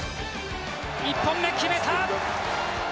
１本目決めた！